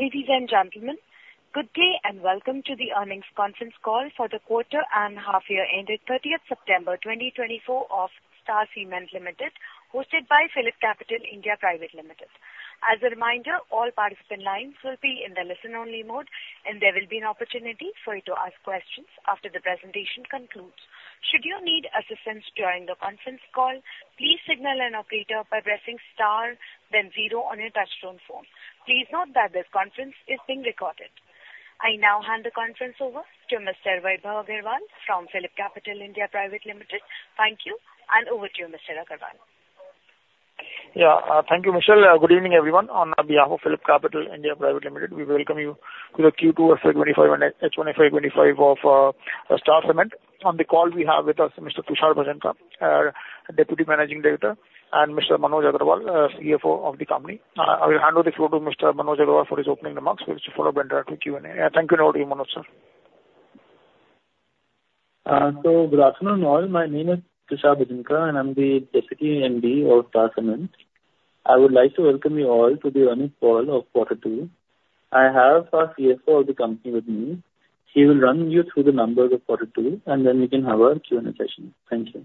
Ladies and gentlemen, good day and welcome to the earnings conference call for the quarter and half-year ended 30th September 2024 of Star Cement Ltd, hosted by PhillipCapital (India) Pvt Ltd. As a reminder, all participant lines will be in the listen-only mode, and there will be an opportunity for you to ask questions after the presentation concludes. Should you need assistance during the conference call, please signal an operator by pressing star then zero on your touch-tone phone. Please note that this conference is being recorded. I now hand the conference over to Mr. Vaibhav Agarwal from PhillipCapital (India) Pvt Ltd. Thank you, and over to you, Mr. Agarwal. Yeah, thank you, Michelle. Good evening, everyone. On behalf of PhillipCapital (India) Pvt Ltd, we welcome you to the Q2 FY 2025 and H1 FY 2025 of Star Cement. On the call, we have with us Mr. Tushar Bhajanka, Deputy Managing Director, and Mr. Manoj Agarwal, CFO of the company. I will hand over the floor to Mr. Manoj Agarwal for his opening remarks, which will follow up with direct Q&A. Thank you, and over to you, Manoj, sir. Good afternoon, all. My name is Tushar Bhajanka, and I'm the Deputy MD of Star Cement. I would like to welcome you all to the earnings call of quarter two. I have our CFO of the company with me. He will run you through the numbers of quarter two, and then we can have our Q&A session. Thank you.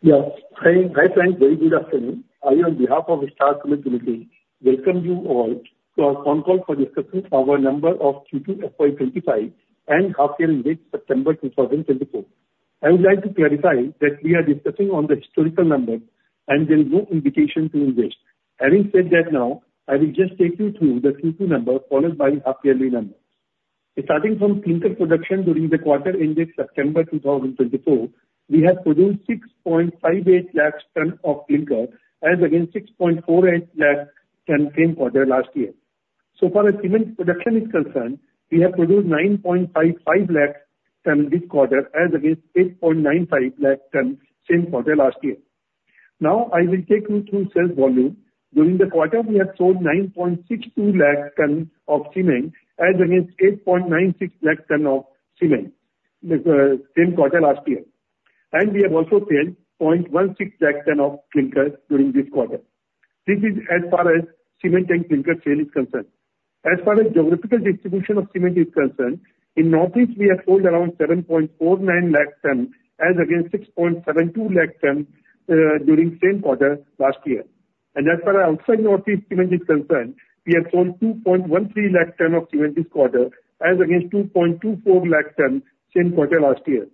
Yes, hi, hi, friends. Very good afternoon. I, on behalf of Star Cement Ltd, welcome you all to our phone call for discussion of our results of Q2 FY 2025 and half-year ended September 2024. I would like to clarify that we are discussing on the historical numbers and there is no invitation to invest. Having said that, now, I will just take you through the Q2 numbers followed by half-yearly numbers. Starting from clinker production during the quarter ended September 2024, we have produced 6.58 lakh tons of clinker as against 6.48 lakh tons same quarter last year. So far, as cement production is concerned, we have produced 9.55 lakh tons this quarter as against 8.95 lakh tons same quarter last year. Now, I will take you through sales volume. During the quarter, we have sold 9.62 lakh tons of cement as against 8.96 lakh tons of cement the same quarter last year. And we have also sold 0.16 lakh tons of clinker during this quarter. This is as far as cement and clinker sale is concerned. As far as geographical distribution of cement is concerned, in Northeast, we have sold around 7.49 lakh tons as against 6.72 lakh tons during same quarter last year. And as far as outside Northeast cement is concerned, we have sold 2.13 lakh tons of cement this quarter as against 2.24 lakh tons same quarter last year.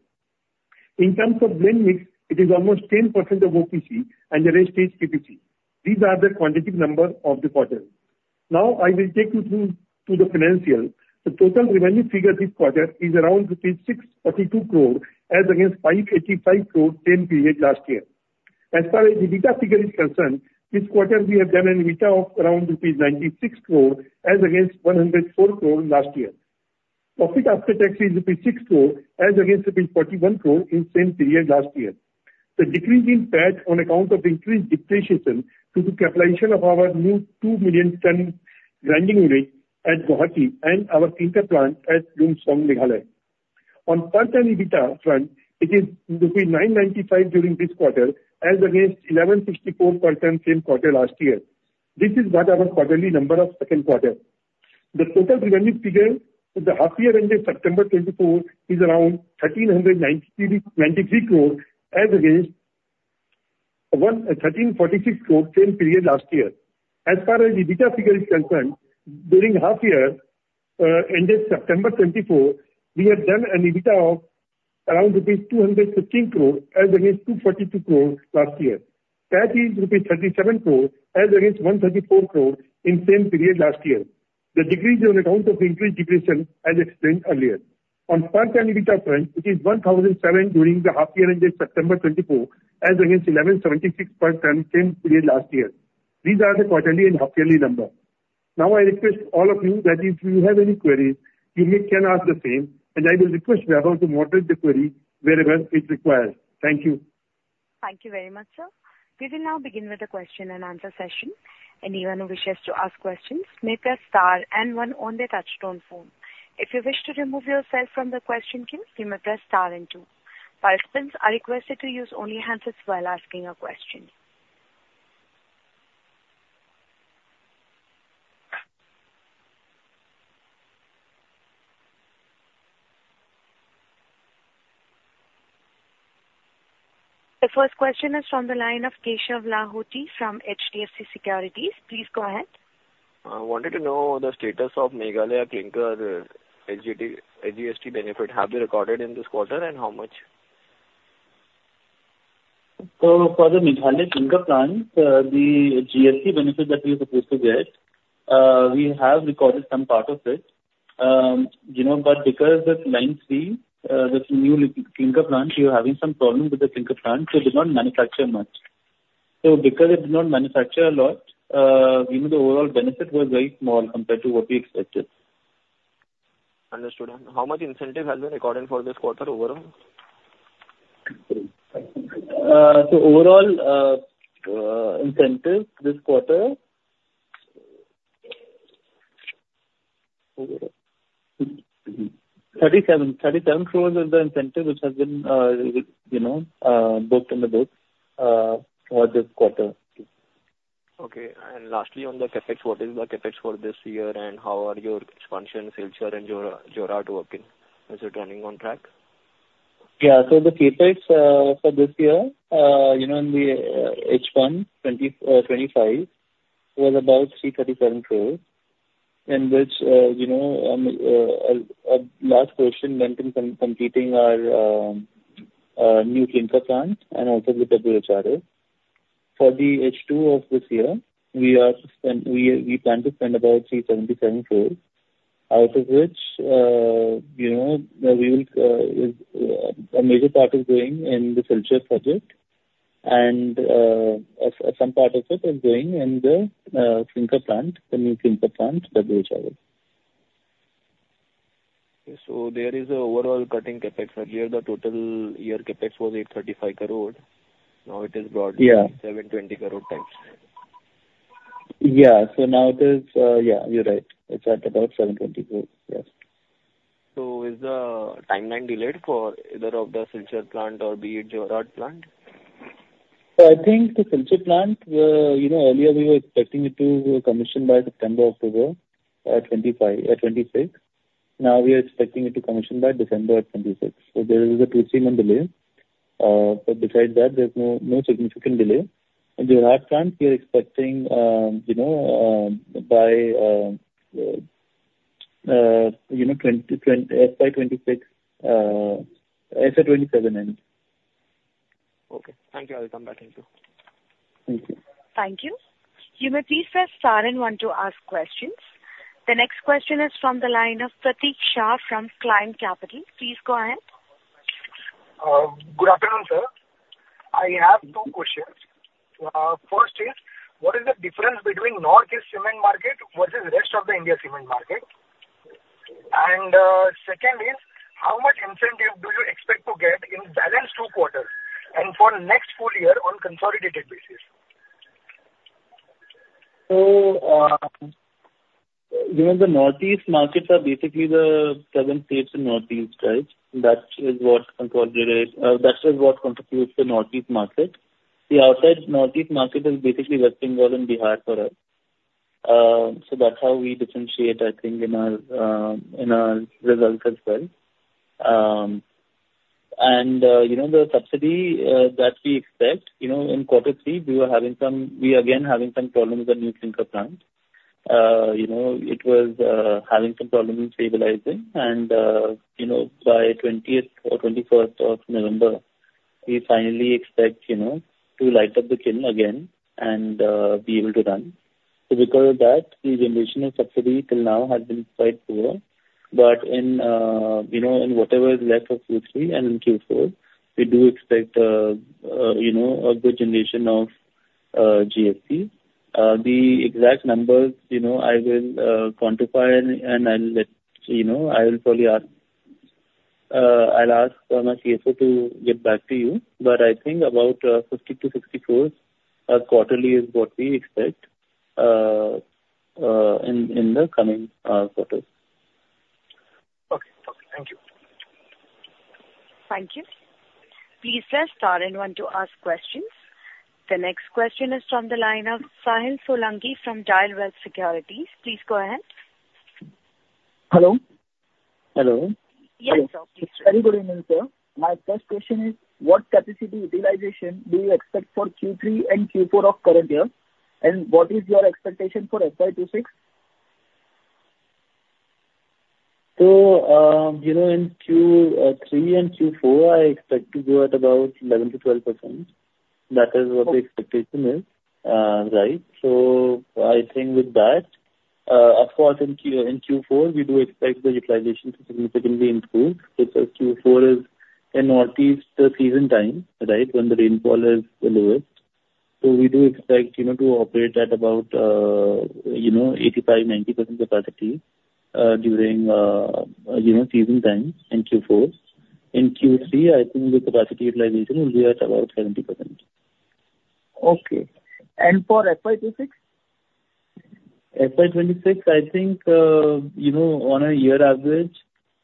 In terms of blend mix, it is almost 10% of OPC and the rest is PPC. These are the quantitative numbers of the quarter. Now, I will take you through to the financial. The total revenue figure this quarter is around rupees 642 crore as against 585 crore same period last year. As far as the EBITDA figure is concerned, this quarter, we have done an EBITDA of around 96 crore rupees as against 104 crore rupees last year. Profit after tax is 6 crore rupees as against 41 crore rupees in same period last year. The decrease in PAT on account of increased depreciation due to capitalization of our new 2 million ton grinding unit at Guwahati and our clinker plant at Lumshnong, Meghalaya. On per tonne EBITDA front, it is 995 during this quarter as against 1,164 per tonne same quarter last year. This is what our quarterly number of second quarter. The total revenue figure for the half-year ended September 2024 is around 1,393 crore as against 1,346 crore same period last year. As far as the EBITDA figure is concerned, during half-year ended September 24, we have done an EBITDA of around rupees 215 crore as against 242 crore last year. PAT is rupees 37 crore as against 134 crore in same period last year. The decrease is on account of increased depreciation as explained earlier. On per tonne EBITDA front, it is 1,007 during the half-year ended September 24 as against 1,176 per tonne same period last year. These are the quarterly and half-yearly numbers. Now, I request all of you that if you have any queries, you may, can ask the same, and I will request Vaibhav to moderate the query wherever it requires. Thank you. Thank you very much, sir. We will now begin with the question and answer session. Anyone who wishes to ask questions may press star and one on the touch-tone phone. If you wish to remove yourself from the question queue, you may press star and two. Participants are requested to use only handsets while asking a question. The first question is from the line of Keshav Lahoti from HDFC Securities. Please go ahead. Wanted to know the status of Meghalaya clinker SGST benefit. Have they recorded in this quarter, and how much? So for the Meghalaya clinker plant, the GST benefit that we are supposed to get, we have recorded some part of it. you know, but because the clinker is, this new clinker plant, we are having some problem with the clinker plant, so it did not manufacture much. So because it did not manufacture a lot, you know, the overall benefit was very small compared to what we expected. Understood. And how much incentive has been recorded for this quarter overall? So overall, incentive this quarter, 37 crore is the incentive which has been, you know, booked in the book for this quarter. Okay. And lastly, on the CapEx, what is the CapEx for this year, and how are your expansions, Silchar and Jorhat working? Is it running on track? Yeah. So the CapEx for this year, you know, in the H1 2025 was about 337 crore, in which, you know, a last portion went in completing our new clinker plant and also the WHRS. For the H2 of this year, we plan to spend about 377 crore, out of which, you know, a major part is going in the Silchar project, and some part of it is going in the clinker plant, the new clinker plant, WHRS. Okay. There is an overall cutting CapEx. Earlier, the total year CapEx was 835 crore. Now it is broadly. Yeah. 720 crore types. Yeah. So now it is, yeah, you're right. It's at about 720 crore. Yes. So is the timeline delayed for either of the Silchar plant or be it Jorhat plant? So I think the Silchar plant, you know, earlier we were expecting it to commission by September, October 2025, 2026. Now we are expecting it to commission by December 2026. There is a two-three-month delay. But besides that, there's no, no significant delay. The Jorhat plant, we are expecting, you know, by 2026-2027 end. Okay. Thank you. I'll come back into. Thank you. Thank you. You may please press star and one to ask questions. The next question is from the line of Pratik Shah from Climb Capital. Please go ahead. Good afternoon, sir. I have two questions. First is, what is the difference between Northeast cement market versus rest of the India cement market? Second is, how much incentive do you expect to get in balance two quarters and for next full year on consolidated basis? So, you know, the Northeast markets are basically the seven states in Northeast, right? That is what constitutes, that is what constitutes the Northeast market. The outside Northeast market is basically West Bengal and Bihar for us, so that's how we differentiate, I think, in our results as well, and you know, the subsidy that we expect. You know, in quarter three, we were having some, again having some problems with the new clinker plant. You know, it was having some problems in stabilizing, and you know, by 20th or 21st of November, we finally expect you know to light up the kiln again and be able to run, so because of that, the generation subsidy till now has been quite poor, but in you know in whatever is left of Q3 and in Q4, we do expect you know a good generation of GST. The exact numbers, you know, I will quantify, and I'll let you know. I'll probably ask my CFO to get back to you. But I think about 50 crore-60 crore quarterly is what we expect in the coming quarters. Okay. Okay. Thank you. Thank you. Please press star and one to ask questions. The next question is from the line of Sahil Solanki from Dialwealth Securities. Please go ahead. Hello. Hello. Yes, sir. Please go ahead. Very good evening, sir. My first question is, what capacity utilization do you expect for Q3 and Q4 of current year? And what is your expectation for FY 2026? So, you know, in Q3 and Q4, I expect to go at about 11%-12%. That is what the expectation is, right? So I think with that, of course, in Q4, we do expect the utilization to significantly improve. Because Q4 is in Northeast season time, right, when the rainfall is the lowest. So we do expect, you know, to operate at about, you know, 85%-90% capacity, during, you know, season time in Q4. In Q3, I think the capacity utilization will be at about 70%. Okay. And for FY 2026? FY 2026, I think, you know, on a year average,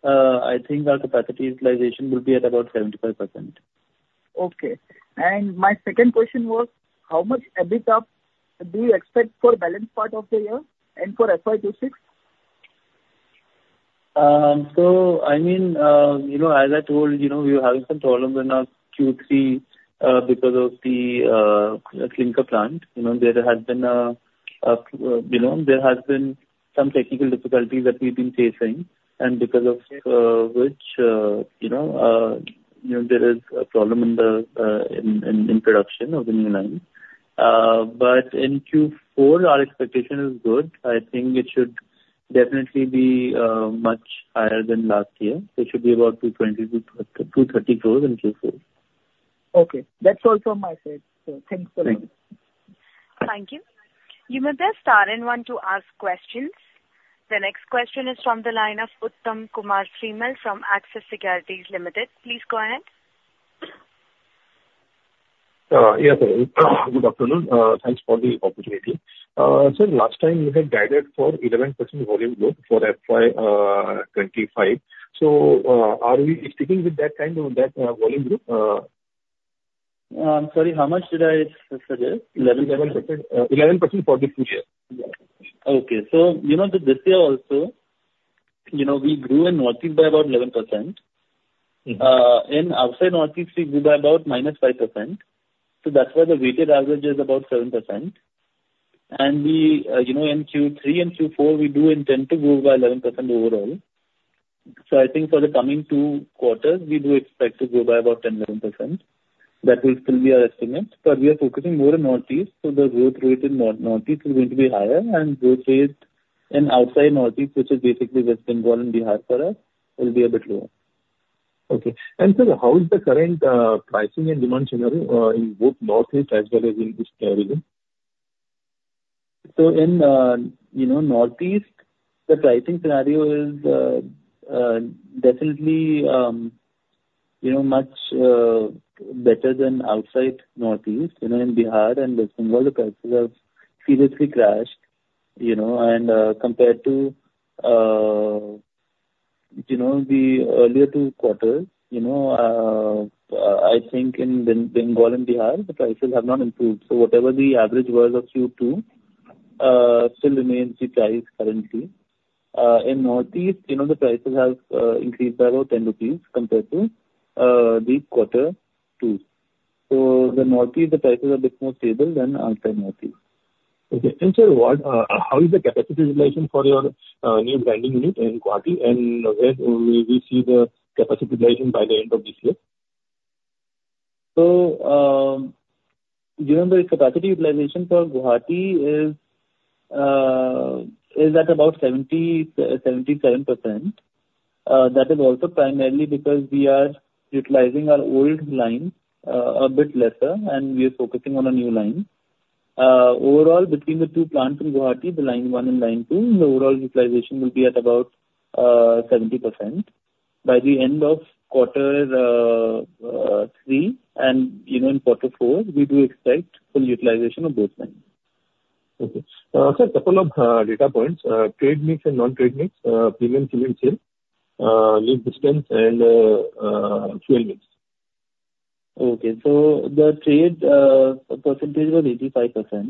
I think our capacity utilization will be at about 75%. Okay. And my second question was, how much EBITDA do you expect for the balance of the year and for FY 2026? So, I mean, you know, as I told, you know, we were having some problems in our Q3, because of the clinker plant. You know, there has been a you know, there has been some technical difficulties that we've been facing, and because of which, you know, there is a problem in the production of the new line. But in Q4, our expectation is good. I think it should definitely be much higher than last year. It should be about 220 crore-230 crore in Q4. Okay. That's all from my side. So thanks so much. Thank you. Thank you. You may press star and one to ask questions. The next question is from the line of Uttam Kumar Srimal from Axis Securities Limited. Please go ahead. Yes, sir. Good afternoon. Thanks for the opportunity. Sir, last time we had guided for 11% volume growth for FY 2025. So, are we sticking with that kind of that, volume growth? I'm sorry. How much did I suggest? 11%? 11%. 11% for the full year. Okay. So, you know, this year also, you know, we grew in Northeast by about 11%. Mm-hmm. In outside Northeast, we grew by about -5%, so that's why the weighted average is about 7%. And we, you know, in Q3 and Q4, we do intend to grow by 11% overall, so I think for the coming two quarters, we do expect to grow by about 10%-11%. That will still be our estimate, but we are focusing more on Northeast, so the growth rate in Northeast is going to be higher, and growth rate in outside Northeast, which is basically West Bengal and Bihar for us, will be a bit lower. Okay. And sir, how is the current pricing and demand scenario in both Northeast as well as in this region? So in Northeast, you know, the pricing scenario is definitely, you know, much better than outside Northeast. You know, in Bihar and West Bengal, the prices have seriously crashed, you know, and compared to you know, the earlier two quarters, you know, I think in Bengal and Bihar, the prices have not improved. So whatever the average was of Q2 still remains the price currently. In Northeast, you know, the prices have increased by about 10 rupees compared to the quarter two. So the Northeast, the prices are a bit more stable than outside Northeast. Okay. Sir, how is the capacity utilization for your new grinding unit in Guwahati, and where will we see the capacity utilization by the end of this year? So, you know, the capacity utilization for Guwahati is at about 70%-77%. That is also primarily because we are utilizing our old line a bit lesser, and we are focusing on a new line. Overall, between the two plants in Guwahati, line one and line two, the overall utilization will be at about 70%. By the end of quarter three, and, you know, in quarter four, we do expect full utilization of both lines. Okay. Sir, a couple of data points. Trade mix and non-trade mix, premium cement sale, lead distance, and fuel mix. Okay. So the trade percentage was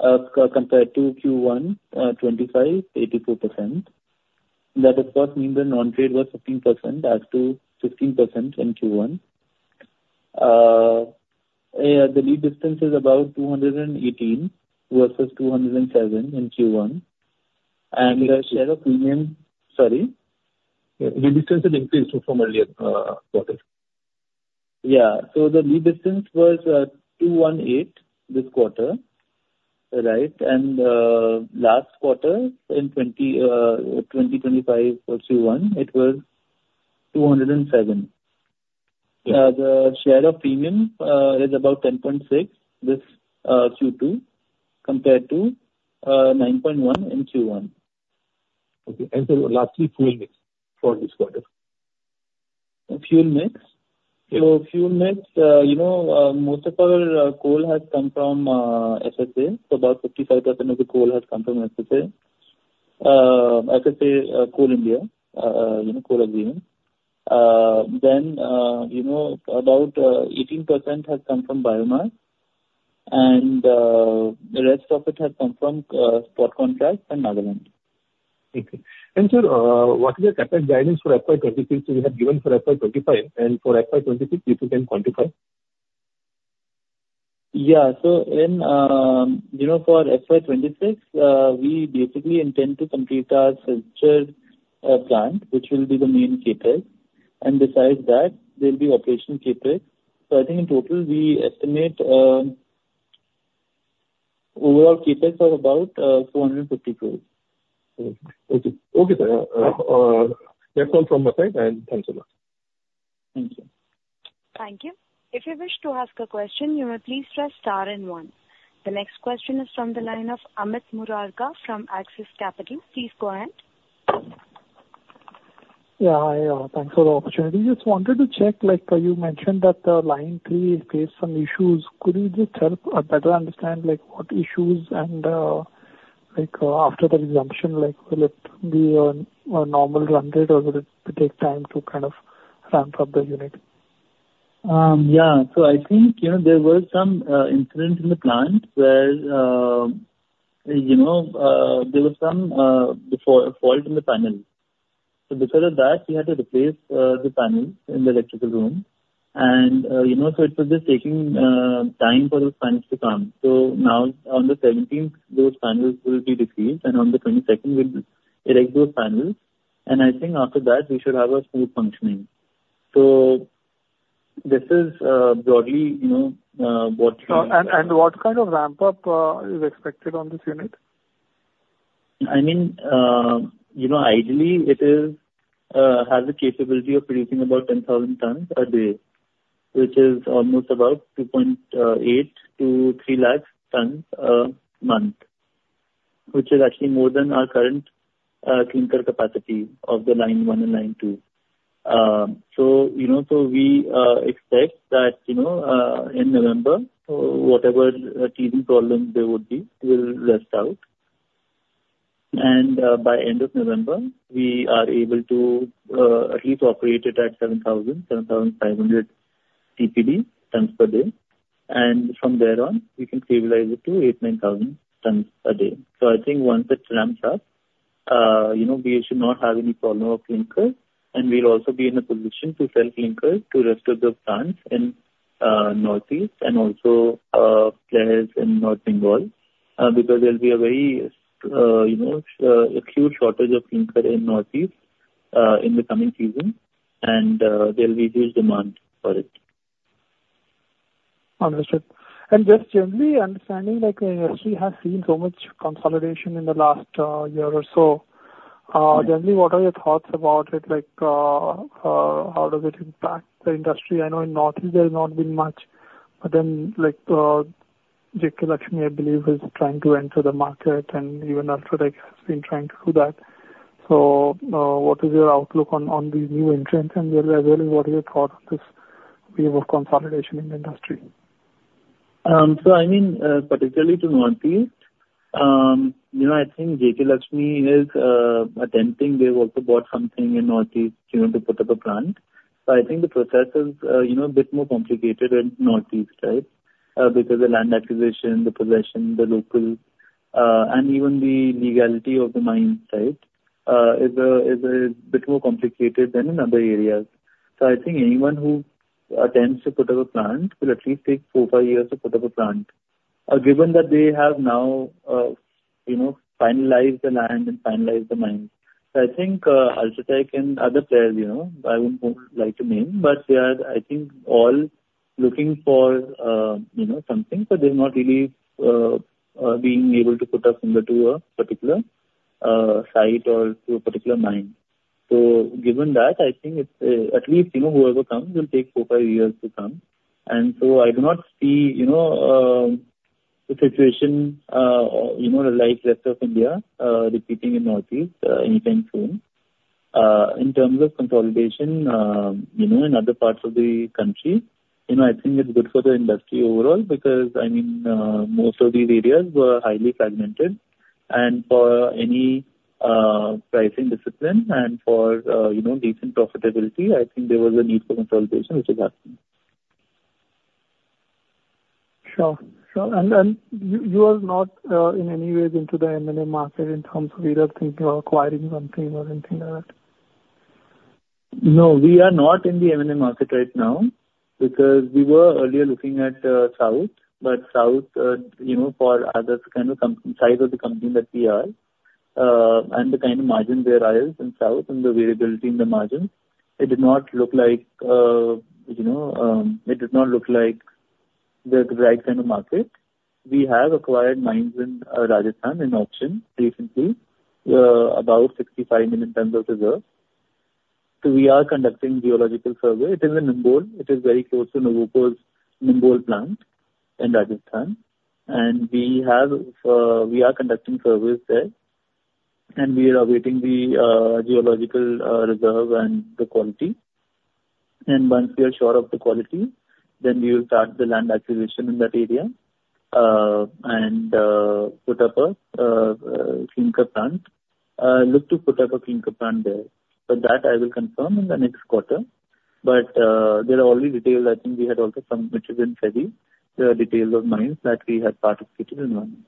85%, compared to Q1 2025, 84%. That of course means the non-trade was 15%, as to 15% in Q1. The lead distance is about 218 km versus 207 km in Q1. And the share of premium sorry? Yeah. Lead distance has increased from earlier quarter. Yeah, so the lead distance was 218 km this quarter, right, and last quarter in Q1 2025, it was 207 km. Yeah. The share of premium is about 10.6% this Q2 compared to 9.1% in Q1. Okay. And sir, lastly, fuel mix for this quarter? Fuel mix. Yeah. So, fuel mix, you know, most of our coal has come from FSA. So, about 55% of the coal has come from FSA, FSA, Coal India, you know, coal agreement. Then, you know, about 18% has come from biomass, and the rest of it has come from spot contracts in Nagaland. Okay. And sir, what is the CapEx guidance for FY 2026 we have given for FY 2025? And for FY 2026, if you can quantify? Yeah. So in, you know, for FY 2026, we basically intend to complete our Silchar plant, which will be the main CapEx. And besides that, there'll be operational CapEx. So I think in total, we estimate overall CapEx of about INR 450 crore. Okay, sir. That's all from my side, and thanks so much. Thank you. Thank you. If you wish to ask a question, you may please press star and one. The next question is from the line of Amit Murarka from Axis Capital. Please go ahead. Yeah. Hi. Thanks for the opportunity. Just wanted to check, like, you mentioned that line three faced some issues. Could you just help better understand, like, what issues and, like, after the resumption, like, will it be a normal run rate or will it take time to kind of ramp up the unit? Yeah. So I think, you know, there were some incidents in the plant where, you know, there were some default faults in the panels. So because of that, we had to replace the panels in the electrical room. And, you know, so it was just taking time for those panels to come. So now, on the 17th, those panels will be replaced, and on the 22nd, we'll erect those panels. And I think after that, we should have a smooth functioning. So this is, broadly, you know, what we're doing. What kind of ramp-up is expected on this unit? I mean, you know, ideally, it is, has a capability of producing about 10,000 tons a day, which is almost about 2.8 lakh tons-3 lakh tons a month, which is actually more than our current clinker capacity of the line one and line two. So, you know, so we expect that, you know, in November, whatever teething problems there would be, will sort out. And by end of November, we are able to at least operate it at 7,000 TPD-7,500 TPD, tons per day. And from there on, we can stabilize it to 8,000 tons-9,000 tons a day. So, I think once it ramps up, you know, we should not have any problem of clinker, and we'll also be in a position to sell clinker to the rest of the plants in Northeast and also players in North Bengal, because there'll be a very, you know, acute shortage of clinker in Northeast in the coming season, and there'll be huge demand for it. Understood. And just generally understanding, like, you actually have seen so much consolidation in the last year or so. Generally, what are your thoughts about it? Like, how does it impact the industry? I know in Northeast, there has not been much, but then, like, JK Lakshmi, I believe, is trying to enter the market, and even UltraTech has been trying to do that. So, what is your outlook on these new entrants, and as well, what are your thoughts on this wave of consolidation in the industry? So I mean, particularly to Northeast, you know, I think JK Lakshmi is attempting. They've also bought something in Northeast, you know, to put up a plant. So I think the process is, you know, a bit more complicated in Northeast, right? Because the land acquisition, the possession, the local, and even the legality of the mines, right, is a bit more complicated than in other areas. So I think anyone who attempts to put up a plant will at least take four, five years to put up a plant, given that they have now, you know, finalized the land and finalized the mines. So I think, UltraTech and other players, you know, I wouldn't like to name, but they are, I think, all looking for, you know, something, but they're not really being able to put up in particular site or to a particular mine. So given that, I think it's, at least, you know, whoever comes will take four, five years to come. And so I do not see, you know, the situation, or, you know, like rest of India, repeating in Northeast, anytime soon. In terms of consolidation, you know, in other parts of the country, you know, I think it's good for the industry overall because, I mean, most of these areas were highly fragmented. And for any, pricing discipline and for, you know, decent profitability, I think there was a need for consolidation, which is happening. Sure. And you are not, in any way, into the M&A market in terms of either thinking of acquiring something or anything like that? No, we are not in the M&A market right now because we were earlier looking at South, but South, you know, for as a kind of company size of the company that we are, and the kind of margin there is in South and the variability in the margin, it did not look like, you know, it did not look like the right kind of market. We have acquired mines in Rajasthan in option recently, about 65 million tons of reserve. So we are conducting geological survey. It is in Nimbol. It is very close to Nuvoco's Nimbol plant in Rajasthan. And we have, we are conducting surveys there, and we are awaiting the geological reserve and the quality. And once we are sure of the quality, then we will start the land acquisition in that area, and put up a clinker plant, look to put up a clinker plant there. But that I will confirm in the next quarter. But there are already details. I think we had also submitted in SEBI, the details of mines that we had participated in one.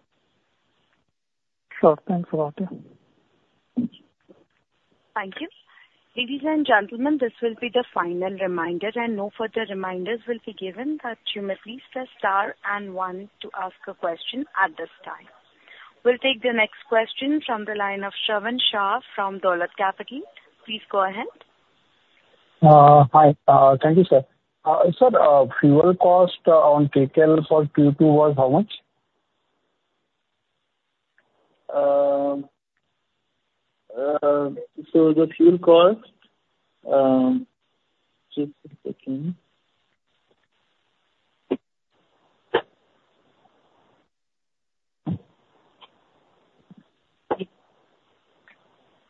Sure. Thanks a lot, yeah. Thank you. Thank you. Ladies and gentlemen, this will be the final reminder, and no further reminders will be given. But you may please press star and one to ask a question at this time. We'll take the next question from the line of Shravan Shah from Dolat Capital. Please go ahead. Hi. Thank you, sir. Sir, fuel cost on kcal for Q2 was how much? So the fuel cost, just a second.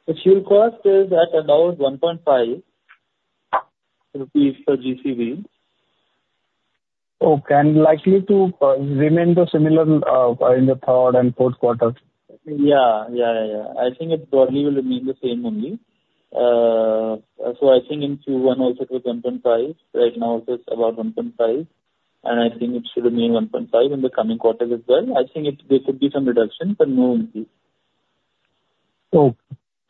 The fuel cost is at about 1.5 rupees per GCV. Okay. And likely to remain similar in the third and fourth quarter? Yeah. Yeah, yeah, yeah. I think it probably will remain the same only. So I think in Q1 also, it was 1.5. Right now, it's about 1.5, and I think it should remain 1.5 in the coming quarters as well. I think that there could be some reduction, but no increase. Okay.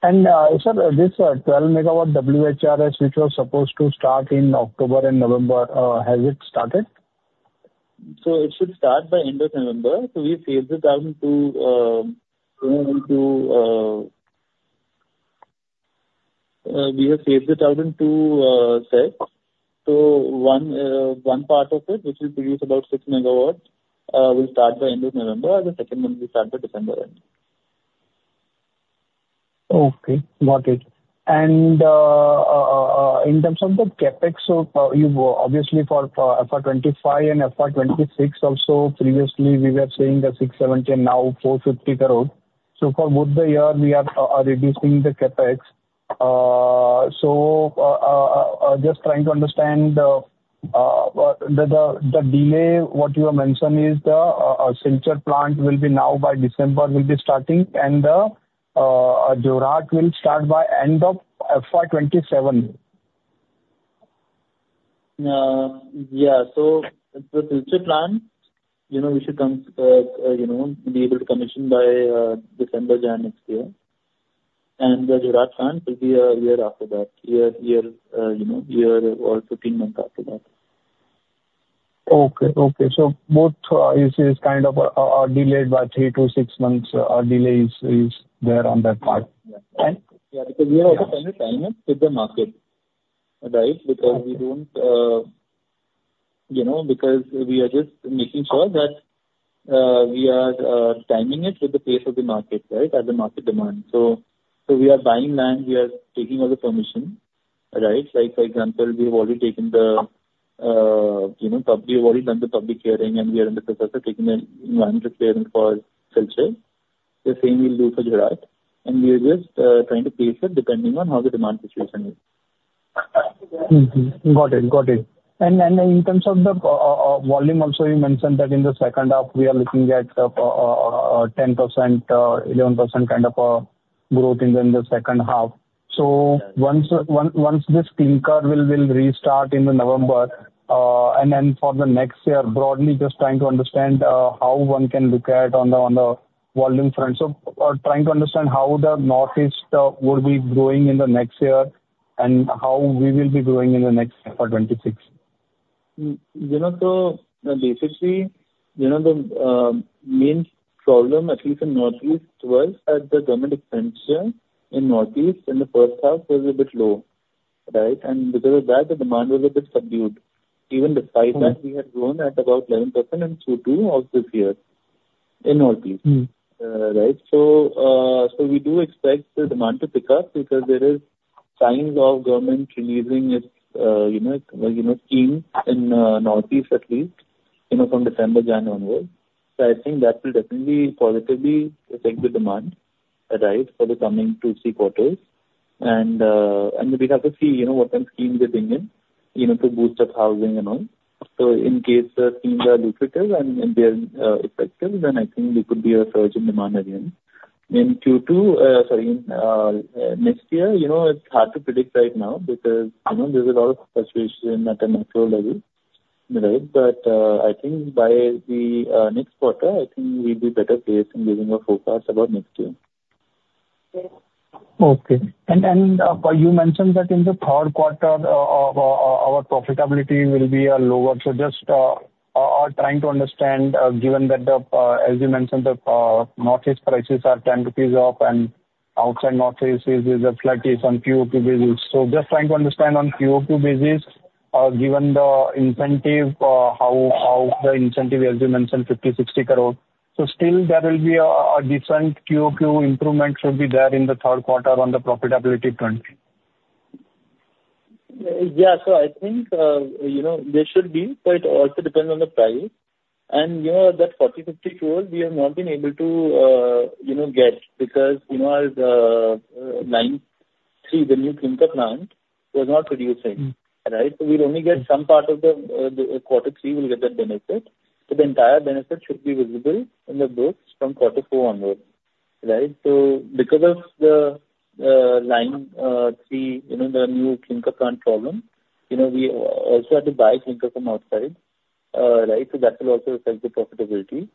Sir, this 12 MW WHRS, which was supposed to start in October and November, has it started? It should start by end of November. We have phased it out into sets, you know. One part of it, which will produce about 6 MW, will start by end of November, and the second one will start by December end. Okay. Got it and in terms of the CapEx, so you've obviously for FY 2025 and FY 2026 also, previously we were seeing a 670 crore and now 450 crore. So for both the year, we are reducing the CapEx, so just trying to understand the delay what you have mentioned is the clinker plant will be now by December will be starting, and the Jorhat will start by end of FY 2027. Yeah. So the clinker plant, you know, we should come, you know, be able to commission by December, January next year. And the Jorhat plant will be a year after that, you know, year or 15 months after that. Okay. So both, you see, is kind of delayed by three to six months. Delay is there on that part. Yeah. Yeah. Because we are also trying to time it with the market, right? Because we don't, you know, because we are just making sure that, we are, timing it with the pace of the market, right, as the market demands. So, so we are buying land. We are taking all the permission, right? Like, for example, we have already taken the, you know, we have already done the public hearing, and we are in the process of taking the environmental clearance for clinker. The same we'll do for Jorhat. And we are just, trying to pace it depending on how the demand situation is. Okay. Got it. And in terms of the volume also, you mentioned that in the second half, we are looking at 10%-11% kind of growth in the second half. So once this clinker will restart in November, and then for the next year, broadly just trying to understand how one can look at on the volume front. So trying to understand how the Northeast would be growing in the next year and how we will be growing in the next FY 2026. You know, so basically, you know, the main problem, at least in Northeast, was that the government expenditure in Northeast in the first half was a bit low, right? And because of that, the demand was a bit subdued. Even despite that, we had grown at about 11% in Q2 of this year in Northeast, right? So, so we do expect the demand to pick up because there are signs of government releasing its, you know, you know, scheme in, Northeast at least, you know, from December, January onwards. So I think that will definitely positively affect the demand, right, for the coming two, three quarters. And, and we have to see, you know, what kind of schemes they bring in, you know, to boost up housing and all. So in case the schemes are lucrative and they're effective, then I think there could be a surge in demand again. In Q2, sorry, in next year, you know, it's hard to predict right now because, you know, there's a lot of fluctuation at a macro level, right? But I think by next quarter, I think we'll be better placed in giving a forecast about next year. Okay. And you mentioned that in the third quarter, our profitability will be lower. So just trying to understand, given that, as you mentioned, the Northeast prices are 10 rupees off, and outside Northeast is slightly on QoQ basis. So just trying to understand on QoQ basis, given the incentive, how the incentive, as you mentioned, 50 crore-60 crore. So still, there will be a decent QoQ improvement. There should be in the third quarter on the profitability front. Yeah, so I think, you know, there should be, but it also depends on the price, and you know, that 40 crore-50 crore, we have not been able to, you know, get because, you know, as line three, the new clinker plant was not producing, right? So we'll only get some part of the quarter three will get that benefit, but the entire benefit should be visible in the books from quarter four onwards, right? So because of the line three, you know, the new clinker plant problem, you know, we also had to buy clinker from outside, right? So that will also affect the profitability,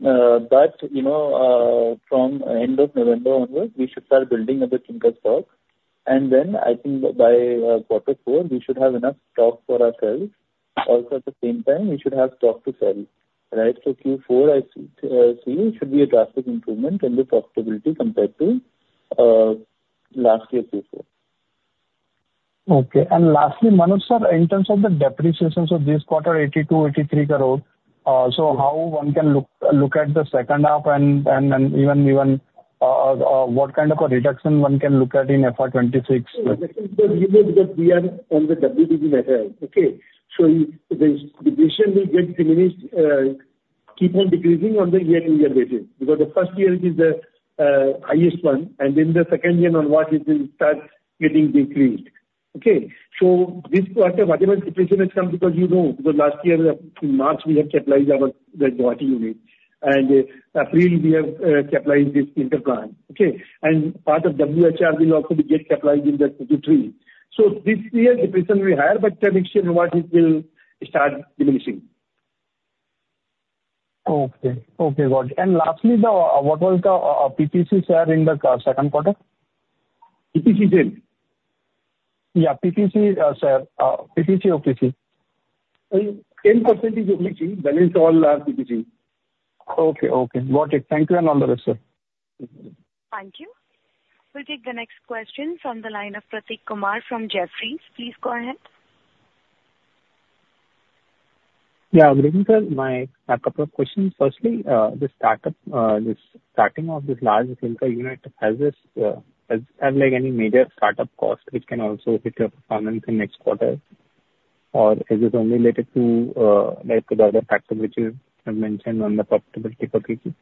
but you know, from end of November onwards, we should start building up the clinker stock. And then I think by quarter four, we should have enough stock for ourselves. Also, at the same time, we should have stock to sell, right? Q4, I see, should be a drastic improvement in the profitability compared to last year Q4. Okay. And lastly, Manoj sir, in terms of the depreciation of this quarter, INR 82 crore-INR 83 crore, so how one can look at the second half and even what kind of a reduction one can look at in FY 2026? The reduction is very good, because we are on the WDV method. Okay. So the decision will get diminished, keep on decreasing on the year-to-year basis because the first year is the highest one, and then the second year onwards, it will start getting decreased. Okay. So this quarter, whatever depreciation has come because you know, because last year in March, we have capitalized our Jorhat unit, and April, we have capitalized this clinker plant. Okay. And part of WHRS will also be capitalized in the Q2, Q3. So this year, depreciation will be higher, but next year, in Northeast, it will start diminishing. Okay. Got it. And lastly, what was the PPC share in the second quarter? PPC share? Yeah. PPC share, PPC, OPC. 10% is OPC. Balance all are PPC. Okay. Okay. Got it. Thank you. And all the best, sir. Thank you. We'll take the next question from the line of Prateek Kumar from Jefferies. Please go ahead. Yeah. Good evening, sir, my couple of questions. Firstly, the startup, this starting of this large clinker unit, has like any major startup cost which can also hit your performance in next quarter? Or is it only related to, like the other factor which you have mentioned on the profitability for Q3?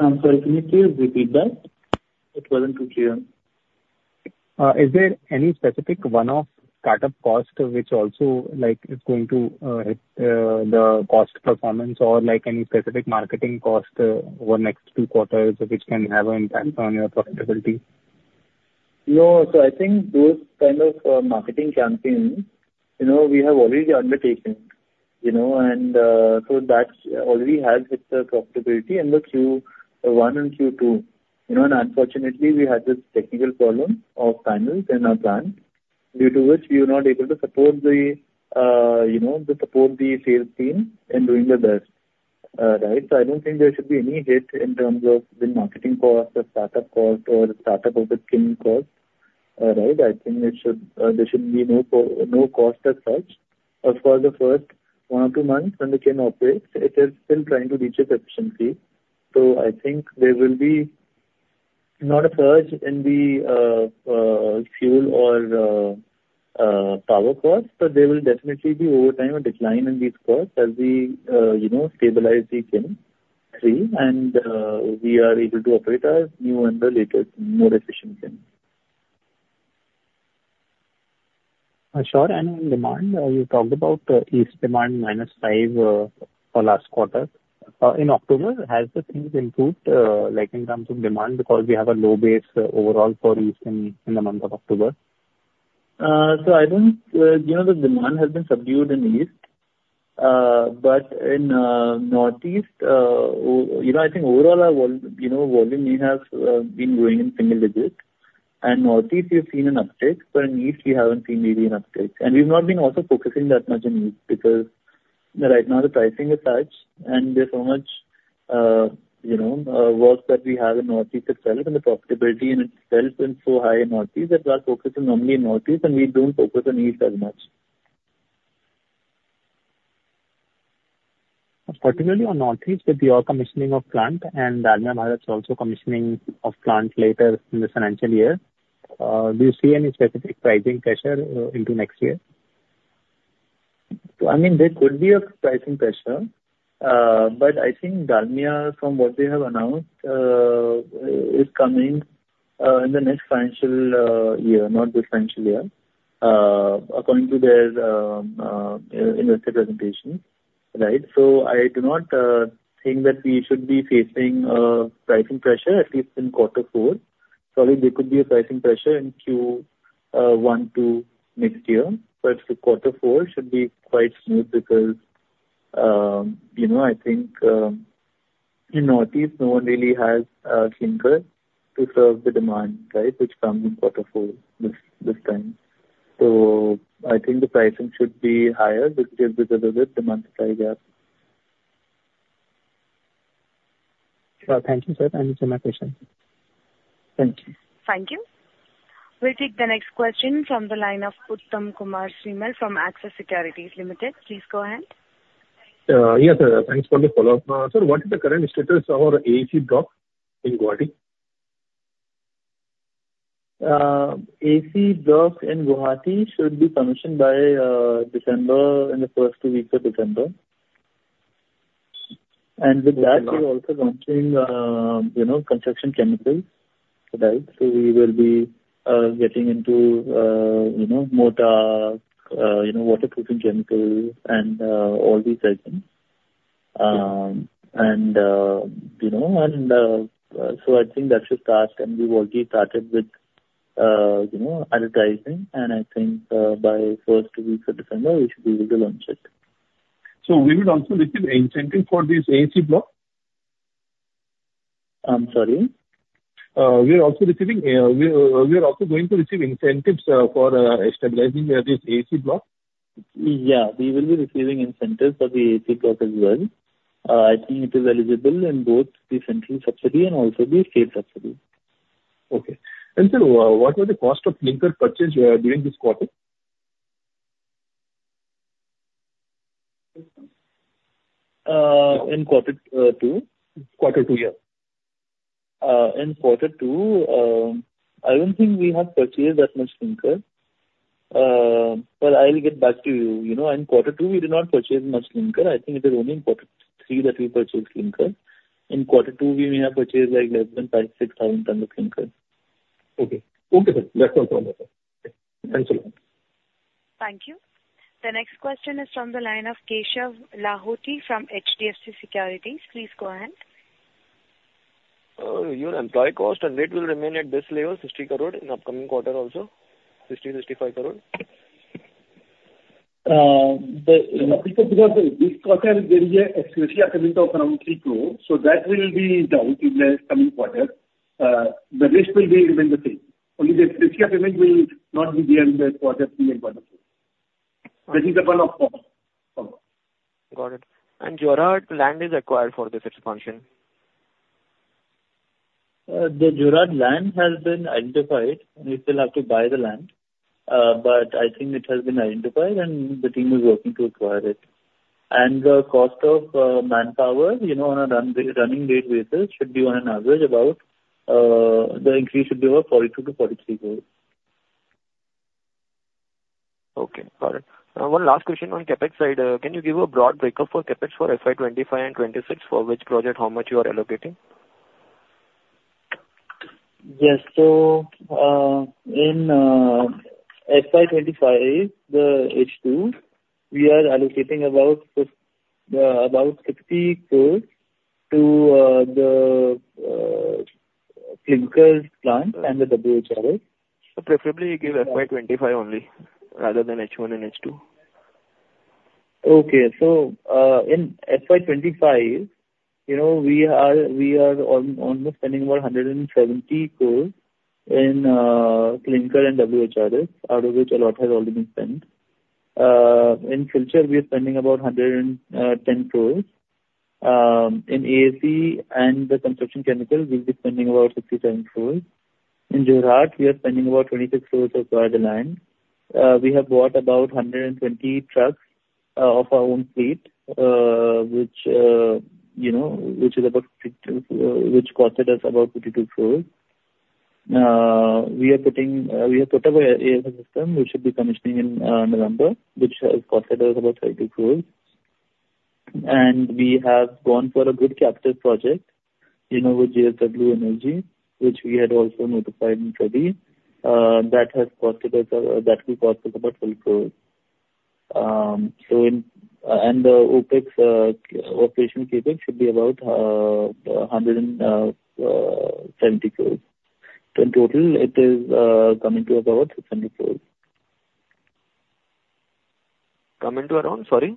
I'm sorry. Can you please repeat that? It wasn't too clear. Is there any specific one-off startup cost which also, like, is going to hit the cost performance or like any specific marketing cost over next two quarters which can have an impact on your profitability? No. So I think those kind of marketing campaigns, you know, we have already undertaken, you know, and so that already has hit the profitability in the Q1 and Q2. You know, and unfortunately, we had this technical problem of panels in our plant due to which we were not able to support the, you know, to support the sales team in doing their best, right? So I don't think there should be any hit in terms of the marketing cost, the startup cost, or the startup of the kiln cost, right? I think it should, there should be no ongoing cost as such. Of course, the first one or two months when the kiln operates, it is still trying to reach its efficiency. I think there will not be a surge in the fuel or power cost, but there will definitely be over time a decline in these costs as we, you know, stabilize the Q3 and we are able to operate our new and the latest, more efficient kilns. Sir, and on demand, you talked about the East demand -5, for last quarter. In October, has the things improved, like in terms of demand because we have a low base overall for East in the month of October? So I don't, you know, the demand has been subdued in East. But in Northeast, oh, you know, I think overall our vol, you know, volume may have been growing in single digits. And Northeast, we've seen an uptake, but in East, we haven't seen really an uptake. And we've not been also focusing that much on East because right now the pricing is such, and there's so much, you know, work that we have in Northeast itself, and the profitability in itself is so high in Northeast that we are focusing only in Northeast, and we don't focus on East as much. Particularly on Northeast with your commissioning of plant, and Dalmia Bharat is also commissioning of plants later in the financial year. Do you see any specific pricing pressure into next year? So, I mean, there could be a pricing pressure, but I think Dalmia, from what they have announced, is coming in the next financial year, not this financial year, according to their investor presentation, right? So I do not think that we should be facing a pricing pressure at least in quarter four. So I think there could be a pricing pressure in Q1 to next year. But quarter four should be quite smooth because, you know, I think in Northeast, no one really has clinker to serve the demand, right, which comes in quarter four this time. So I think the pricing should be higher just because of the demand supply gap. Sure. Thank you, sir. And it's in my question. Thank you. Thank you. We'll take the next question from the line of Uttam Kumar Srimal from Axis Securities Limited. Please go ahead. Yes, sir. Thanks for the follow-up. Sir, what is the current status of our AAC block in Guwahati? AAC block in Guwahati should be commissioned by December, in the first two weeks of December. And with that, we're also commissioning, you know, construction chemicals, right? So we will be getting into, you know, mortar, you know, waterproofing chemicals and all these items. And, you know, so I think that should start, and we've already started with, you know, advertising. And I think, by first two weeks of December, we should be able to launch it. So we will also receive incentive for this AAC block? I'm sorry? We're also going to receive incentives for stabilizing this AAC block? Yeah. We will be receiving incentives for the AAC block as well. I think it is eligible in both the central subsidy and also the state subsidy. Okay. And so, what was the cost of clinker purchase, during this quarter? In quarter two? Quarter two, yeah. In quarter two, I don't think we have purchased that much clinker. But I'll get back to you. You know, in quarter two, we did not purchase much clinker. I think it is only in quarter three that we purchased clinker. In quarter two, we may have purchased like less than 5,000 tons-6,000 tons of clinker. Okay. Okay, sir. That's all from me. Thank you. Thank you. The next question is from the line of Keshav Lahoti from HDFC Securities. Please go ahead. Your employee cost run rate will remain at this level, 60 crore, in upcoming quarter also, 60 crore-65 crore? This quarter there is an ex-gratia payment of around 3 crore. So that will be down in the coming quarter. The rest will remain the same. Only the ex-gratia payment will not be there in quarter three and quarter four. That is the one-off problem. Got it. And Jorhat land is acquired for this expansion? The Jorhat land has been identified. We still have to buy the land. But I think it has been identified, and the team is working to acquire it. The cost of manpower, you know, on a running rate basis should be on an average about 42 crore-43 crore. Okay. Got it. One last question on CapEx side. Can you give a broad breakup for CapEx for FY 2025 and 2026? For which project, how much you are allocating? Yes. So in FY 2025, the H2, we are allocating about 60 crore to the clinker plant and the WHRS. So preferably, you give FY 2025 only rather than H1 and H2? Okay. So, in FY 2025, you know, we are almost spending about 170 crore in clinker and WHRS, out of which a lot has already been spent. In Silchar, we are spending about 110 crore. In AAC and the construction chemical, we'll be spending about 67 crore. In Jorhat, we are spending about 26 crore to acquire the land. We have bought about 120 trucks of our own fleet, which, you know, which is about 50 crore, which costed us about 52 crore. We are putting, we have put up a system, which should be commissioning in November, which has costed us about 32 crore. And we have gone for a group captive project, you know, with JSW Energy, which we had also notified in SEBI. That has costed us, that will cost us about INR 12 crore. So the OpEx, operational CapEx should be about 170 crore. So in total, it is coming to about 600 crore. Coming to around? Sorry?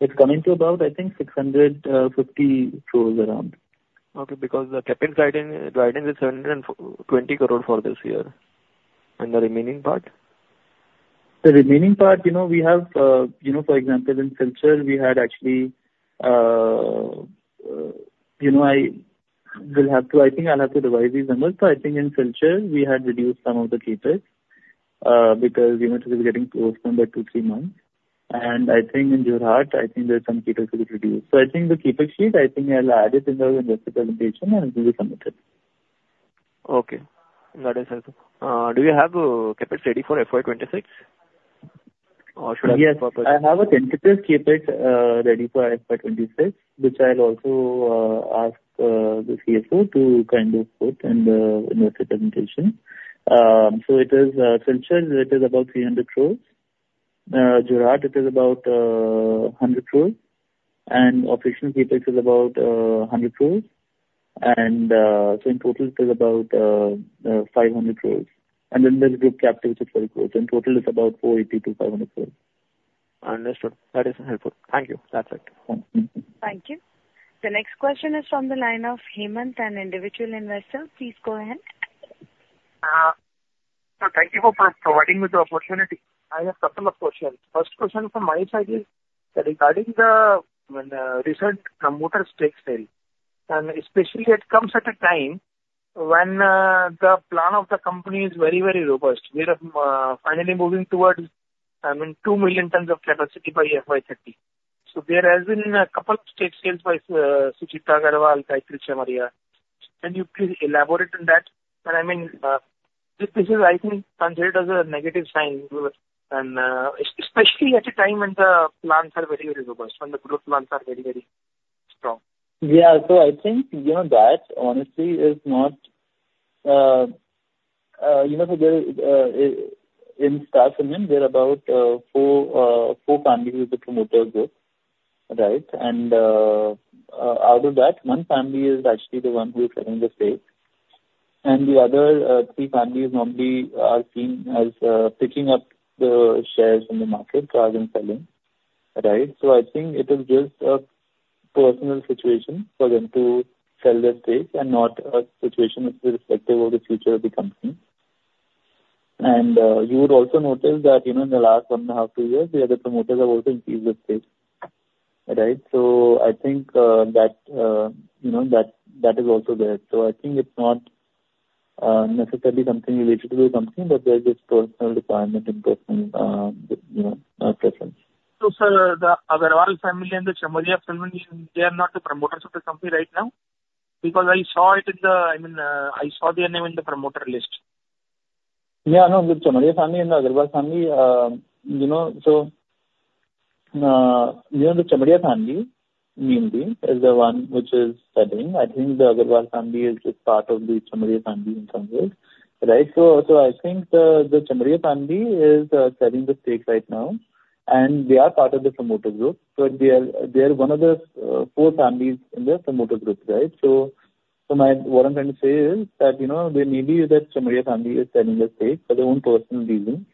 It's coming to about, I think, 650 crore around. Okay. Because the CapEx guidance is 720 crore for this year, and the remaining part? The remaining part, you know, we have, you know, for example, in clinker, we had actually, you know, I will have to, I think I'll have to revise these numbers, but I think in clinker, we had reduced some of the CapEx, because we were getting close to the two, three months, and I think in Jorhat, I think there's some CapEx that we reduced, so I think the CapEx sheet, I think I'll add it in the investor presentation, and it will be submitted. Okay. That is helpful. Do you have CapEx ready for FY 2026? Or should I look for a person? Yes. I have a tentative CapEx ready for FY 2026, which I'll also ask the CFO to kind of put in the investor presentation. So it is about 300 crore. Jorhat, it is about 100 crore. And operational CapEx is about 100 crore. And so in total, it is about 500 crore. And then there's group captive, which is INR 30 crore. So in total, it's about 480 crore-500 crore. Understood. That is helpful. Thank you. That's it. Thank you. The next question is from the line of Hemant, an individual investor. Please go ahead. Thank you for providing me the opportunity. I have a couple of questions. First question from my side is that regarding the, when the recent promoter stakes sale, and especially it comes at a time when, the plan of the company is very, very robust. We're, finally moving towards, I mean, two million tons of capacity by FY 2030. So there has been a couple of stakes sales by, Suchita Agarwal, Gayatri Chamaria. Can you please elaborate on that? And I mean, this, this is, I think, considered as a negative sign, and, especially at a time when the plans are very, very robust, when the growth plans are very, very strong. Yeah. So I think, you know, that honestly is not, you know, so there, in Star Cement, there are about four families with the promoter group, right? And, out of that, one family is actually the one who is selling the stakes. And the other three families normally are seen as picking up the shares in the market rather than selling, right? So I think it is just a personal situation for them to sell their stakes and not a situation which is reflective of the future of the company. And you would also notice that, you know, in the last one and a half, two years, the other promoters have also increased their stakes, right? So I think that, you know, that is also there. So I think it's not necessarily something related to the company, but there's this personal requirement and personal, you know, preference. So, sir, the Agarwal family and the Chamaria family, they are not the promoters of the company right now? Because I saw it in the, I mean, I saw their name in the promoter list. Yeah. No, the Chamaria family and the Agarwal family, you know, so you know, the Chamaria family mainly is the one which is selling. I think the Agarwal family is just part of the Chamaria family in some ways, right? So I think the Chamaria family is selling the stakes right now. And they are part of the promoter group, but they are one of the four families in the promoter group, right? So what I'm trying to say is that, you know, that the Chamaria family is selling their stakes for their own personal reasons.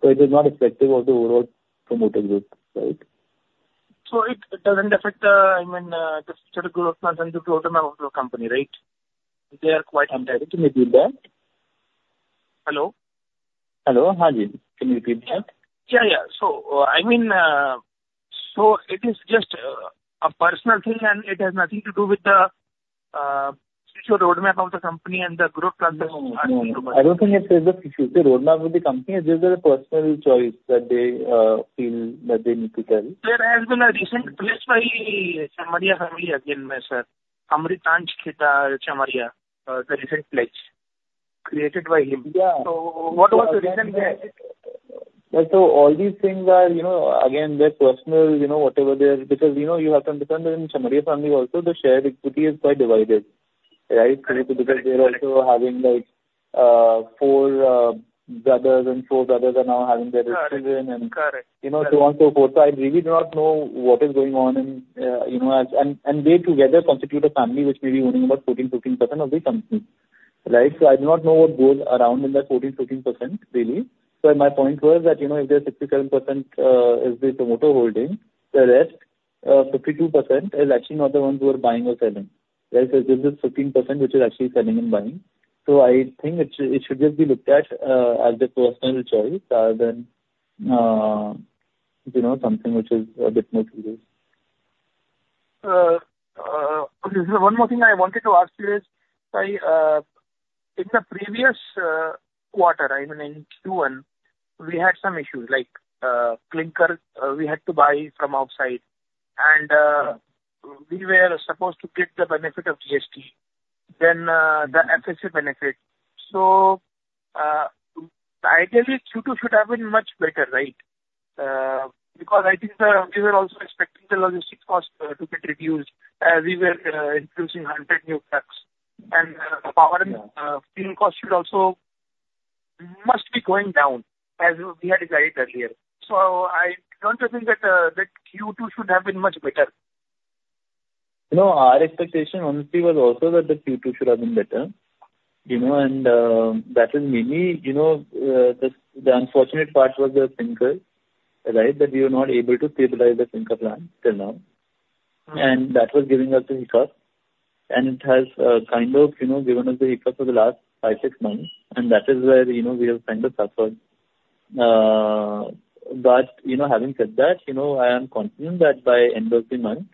But it is not reflective of the overall promoter group, right? So it doesn't affect the, I mean, the growth plans and the total amount of the company, right? They are quite intact? Can you repeat that? Hello? Hello? Haji. Can you repeat that? Yeah, yeah, so I mean, it is just a personal thing, and it has nothing to do with the future roadmap of the company and the growth plans. No, no, no. I don't think it is the future roadmap of the company. This is a personal choice that they feel that they need to tell. There has been a recent pledge by Chamaria family again, sir. Amritansh Chamaria, the recent pledge created by him. Yeah. So what was the reason behind it? Yeah. So all these things are, you know, again, they're personal, you know, whatever they are. Because, you know, you have to understand that in Chamaria family also, the share equity is quite divided, right? Because they're also having, like, four brothers and four brothers are now having their children and. Correct. You know, so on and so forth. So I really do not know what is going on in, you know, they together constitute a family which may be owning about 14%-15% of the company, right? So I do not know what goes around in that 14%-15%, really. So my point was that, you know, if there's 67%, is the promoter holding, the rest, 52% is actually not the ones who are buying or selling, right? So this is 15% which is actually selling and buying. So I think it should just be looked at, as a personal choice rather than, you know, something which is a bit more serious. One more thing I wanted to ask you is, sorry, in the previous quarter, I mean, in Q1, we had some issues, like clinker, we had to buy from outside. And we were supposed to get the benefit of GST. Then the FSA benefit. So ideally Q2 should have been much better, right? Because I think we were also expecting the logistics cost to get reduced as we were introducing 100 new trucks. And the power and fuel cost should also must be going down as we had decided earlier. So I want to think that Q2 should have been much better. You know, our expectation honestly was also that the Q2 should have been better, you know, and that has mainly, you know, the unfortunate part was the clinker, right, that we were not able to stabilize the clinker plant till now, and that was giving us the hiccup. And it has, kind of, you know, given us the hiccup for the last five, six months. And that is where, you know, we have kind of suffered, but you know, having said that, you know, I am confident that by end of the month,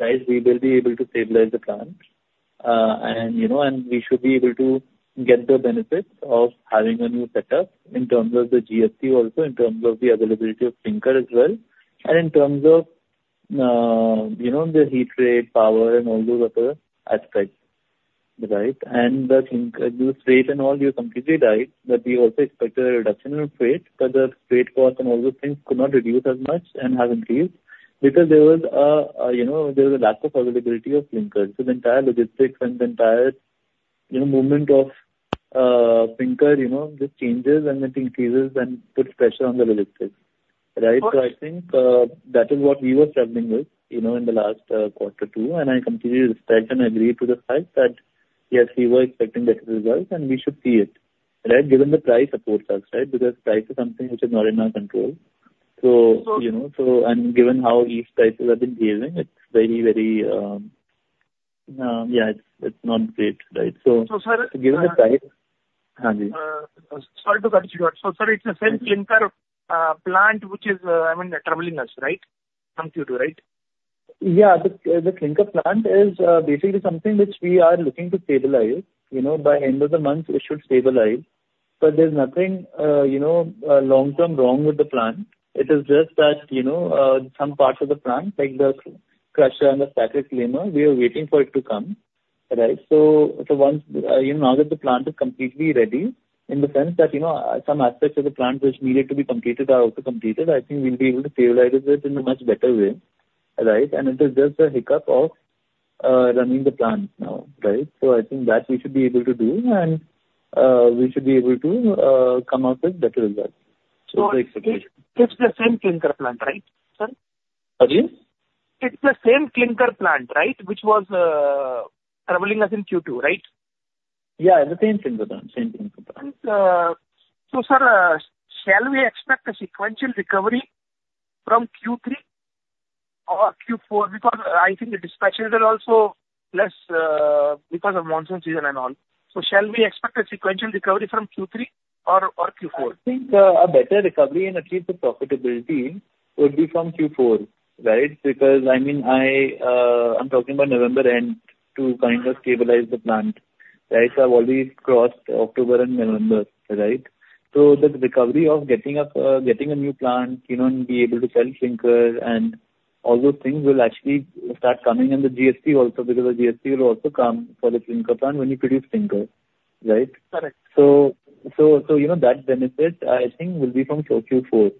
right, we will be able to stabilize the plant, and you know, and we should be able to get the benefits of having a new setup in terms of the GST also, in terms of the availability of clinker as well. In terms of, you know, the heat rate, power, and all those other aspects, right? And the clinker use rate and all, you completely died. But we also expected a reduction in freight, but the freight cost and all those things could not reduce as much and have increased because there was, you know, a lack of availability of clinker. So the entire logistics and the, you know, movement of clinker just changes and then increases and puts pressure on the logistics, right? So I think that is what we were struggling with, you know, in the last quarter two. And I completely respect and agree to the fact that, yes, we were expecting better results, and we should see it, right, given the price affords us, right? Because price is something which is not in our control. You know, and given how these prices have been behaving, it's very, very, yeah, it's not great, right? So. So, sir, sorry. Given the price. Haji. Sorry to cut you off, so sorry, it's the same clinker plant which is, I mean, troubling us, right? From Q2, right? Yeah. The clinker plant is basically something which we are looking to stabilize, you know, by end of the month. It should stabilize. But there's nothing, you know, long-term wrong with the plant. It is just that, you know, some parts of the plant, like the crusher and the stack reclaimer, we are waiting for it to come, right? So once, you know, now that the plant is completely ready, in the sense that, you know, some aspects of the plant which needed to be completed are also completed, I think we'll be able to stabilize it in a much better way, right? And it is just a hiccup of running the plant now, right? So I think that we should be able to come up with better results. So the expectation. So it's the same clinker plant, right, sir? Haji? It's the same clinker plant, right, which was troubling us in Q2, right? Yeah. The same clinker plant, same clinker plant. And, so, sir, shall we expect a sequential recovery from Q3 or Q4? Because I think the dispatches are also less, because of monsoon season and all. So shall we expect a sequential recovery from Q3 or Q4? I think a better recovery and achieve the profitability would be from Q4, right? Because, I mean, I'm talking about November end to kind of stabilize the plant, right? So I've already crossed October and November, right? So the recovery of getting a new plant, you know, and be able to sell clinker and all those things will actually start coming in the GST also because the GST will also come for the clinker plant when you produce clinker, right? Correct. So, you know, that benefit, I think, will be from Q4,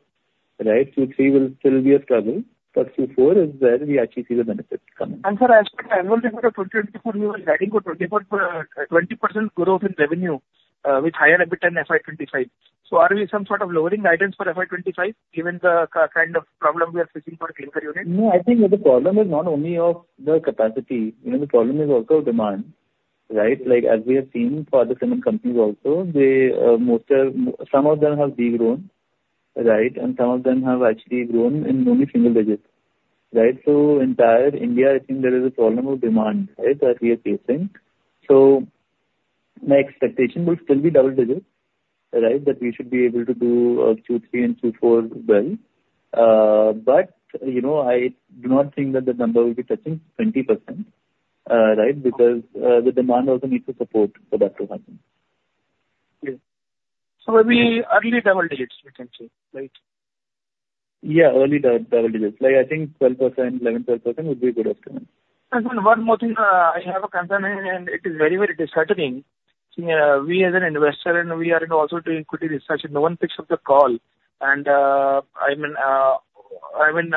right? Q3 will still be a struggle. But Q4 is where we actually see the benefits coming. And sir, as per the annual report of 2024, you were guiding was 20% growth in revenue, with higher EBITDA in FY 2025. Are we some sort of lowering guidance for FY 2025 given the kind of problem we are facing for clinker unit? No, I think the problem is not only of the capacity. You know, the problem is also of demand, right? Like, as we have seen for the cement companies also, they, most have some of them have degrown, right? And some of them have actually grown in only single digits, right? So in the entire India, I think there is a problem of demand, right, that we are facing. So my expectation will still be double digits, right, that we should be able to do, Q3 and Q4 well. But, you know, I do not think that the number will be touching 20%, right? Because, the demand also needs to support for that to happen. Yeah. So maybe early double digits, we can say, right? Yeah. Early double digits. Like, I think 12%, 11%-12% would be a good estimate. And one more thing, I have a concern, and it is very, very disheartening. We as an investor, and we are also doing equity research, and no one picks up the call. And, I mean, I mean,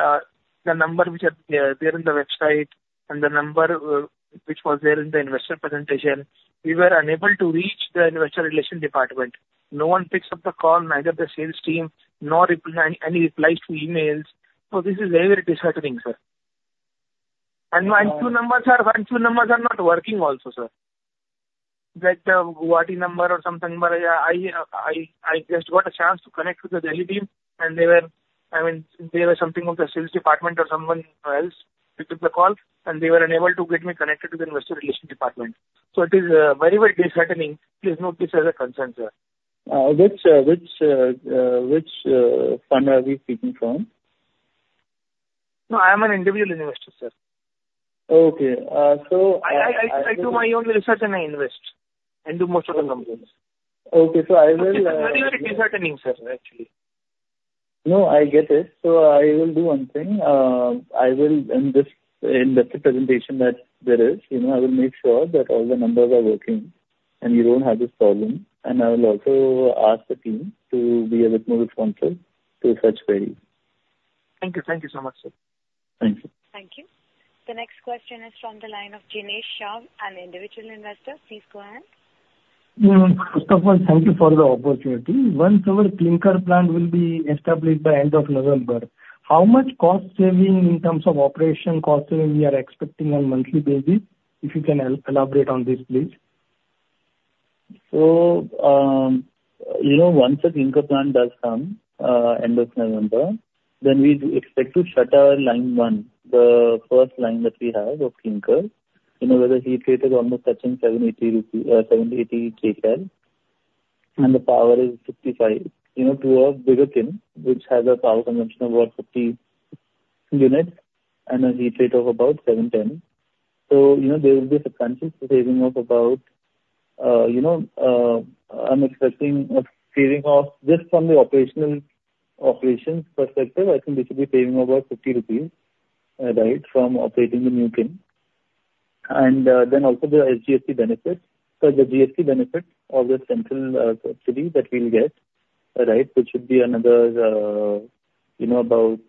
the number which had, there in the website and the number, which was there in the investor presentation, we were unable to reach the investor relation department. No one picks up the call, neither the sales team, nor any replies to emails. So this is very, very disheartening, sir. And one two numbers, sir, one two numbers are not working also, sir. Like the Guwahati number or something number, I just got a chance to connect with the Delhi team, and they were, I mean, someone from the sales department or someone else picked up the call, and they were unable to get me connected to the investor relations department. So it is very, very disheartening. Please note this as a concern, sir. Which fund are we speaking from? No, I am an individual investor, sir. Okay, so I. I do my own research and I invest and do most of the companies. Okay. So I will. It's very, very disheartening, sir, actually. No, I get it. So I will do one thing. I will, in this, in this presentation that there is, you know, I will make sure that all the numbers are working and you don't have this problem. And I will also ask the team to be a bit more responsive to such queries. Thank you. Thank you so much, sir. Thank you. Thank you. The next question is from the line of Jinesh Shah, an individual investor. Please go ahead. First of all, thank you for the opportunity. Once our clinker plant will be established by end of November, how much cost saving in terms of operation cost saving we are expecting on a monthly basis? If you can elaborate on this, please. You know, once the clinker plant does come end of November, then we expect to shut down line one, the first line that we have of clinker. You know, where the heat rate is almost touching 780 kcal, and the power is 65 kWh/mt. You know, to a bigger line which has a power consumption of about 50 units and a heat rate of about 710 kcal. You know, there will be a substantial saving of about. You know, I'm expecting a saving of just from the operational operations perspective. I think this will be saving about 50 rupees, right, from operating the new line. Then also the SGST benefit. The GST benefit of the central subsidy that we'll get, right, which should be another. You know, about,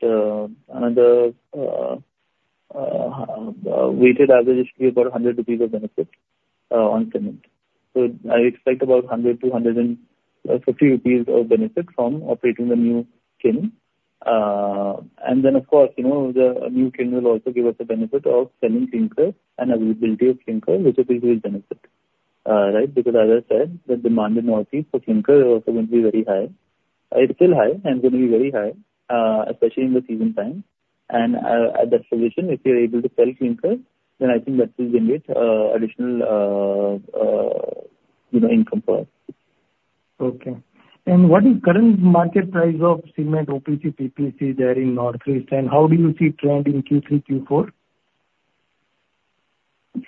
another, weighted average should be about 100 rupees of benefit on cement. So I expect about 100-150 rupees of benefit from operating the new kiln. And then, of course, you know, the new kiln will also give us the benefit of selling clinker and availability of clinker, which is a huge benefit, right? Because, as I said, the demand in Northeast for clinker is also going to be very high. It's still high and going to be very high, especially in the season time. And, at that position, if we are able to sell clinker, then I think that will generate additional, you know, income for us. Okay. And what is the current market price of cement, OPC, PPC there in Northeast, and how do you see trend in Q3, Q4?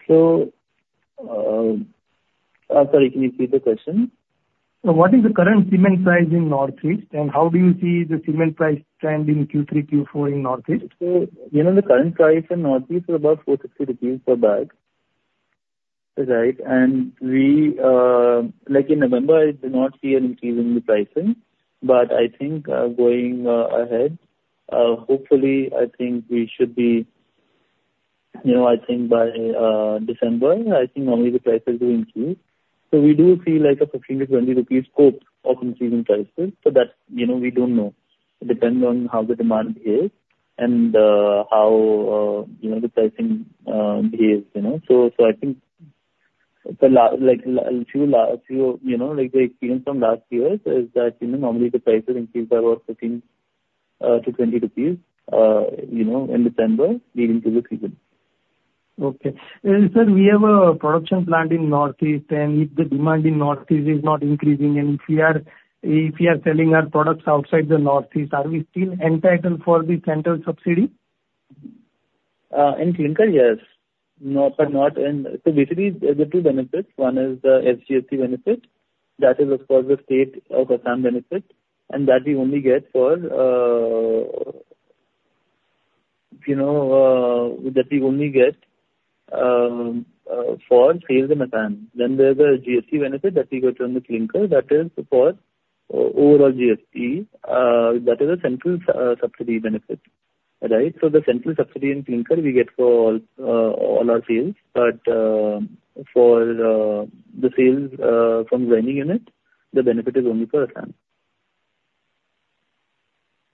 So, I'm sorry, can you repeat the question? So what is the current cement price in Northeast, and how do you see the cement price trend in Q3, Q4 in Northeast? So, you know, the current price in Northeast is about 460 rupees per bag, right? And we, like in November, I do not see an increase in the pricing. But I think, going ahead, hopefully, I think we should be, you know, I think by December, I think normally the prices will increase. So we do see like a 15-20 rupees scope of increasing prices. But that, you know, we don't know. It depends on how the demand behaves and, how, you know, the pricing behaves, you know? So, I think the last, like, a few, you know, like the experience from last year is that, you know, normally the prices increase by about 15-20 rupees, you know, in December leading to the season. Okay. And, sir, we have a production plant in Northeast, and if the demand in Northeast is not increasing, and if we are selling our products outside the Northeast, are we still entitled for the central subsidy? In clinker, yes. No, but not in. So basically, there are two benefits. One is the SGST benefit. That is, of course, the state of Assam benefit. And that we only get for sales in Assam, you know. Then there's a GST benefit that we get on the clinker that is for overall GST. That is a central subsidy benefit, right? So the central subsidy in clinker we get for all our sales. But for the sales from grinding unit, the benefit is only for Assam.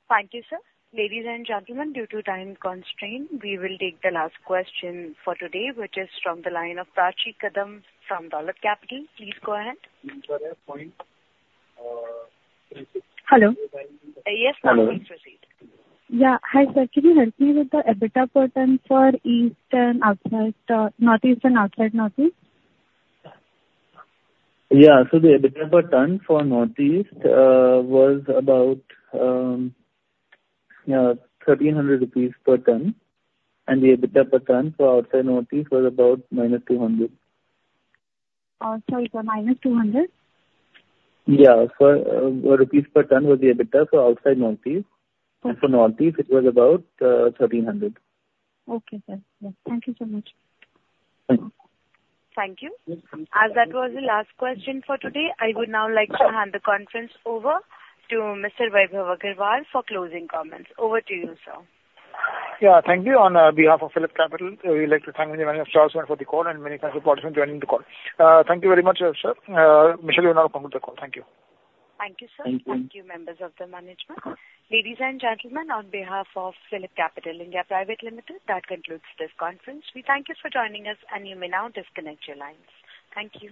Thank you, sir. Ladies and gentlemen, due to time constraint, we will take the last question for today, which is from the line of Prachi Kadam from Dolat Capital. Please go ahead. Hello. Yes, please proceed. Yeah. Hi, sir. Can you help me with the EBITDA per tonne for East and outside, Northeast and outside Northeast? Yeah. So the EBITDA per tonne for Northeast was about 1,300 rupees per tonne. And the EBITDA per tonne for outside Northeast was about -200. Sorry, sir, -200? Yeah. For rupees per tonne was the EBITDA for outside Northeast. Okay. For Northeast, it was about 1,300. Okay, sir. Thank you so much. Thank you. Thank you. As that was the last question for today, I would now like to hand the conference over to Mr. Vaibhav Agarwal for closing comments. Over to you, sir. Yeah. Thank you. On behalf of PhillipCapital, we would like to thank the management of Star Cement for the call, and all participants for joining the call. Thank you very much, sir. Michelle, you can now conclude the call. Thank you. Thank you, sir. Thank you. Thank you, members of the management. Ladies and gentlemen, on behalf of PhillipCapital (India) Pvt Ltd, that concludes this conference. We thank you for joining us, and you may now disconnect your lines. Thank you.